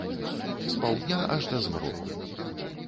З паўдня аж да змроку.